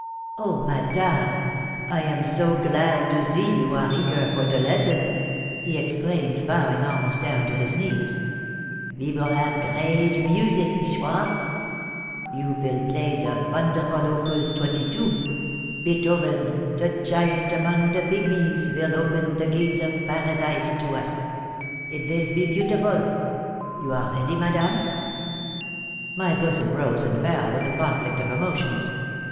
"Oh, madame, I am zo glad to zee you are eager for de lezzon!" he exclaimed, bowing almost down to his knees. "Ve vill haf grade muzic, nicht war? You vill blay de vonderful Opuz 22! Beethoven, de giant among de pygmies, vill open de gates of baradize to us. It vill be beautiful. You are ready, madame?" My bosom rose and fell with a conflict of emotions.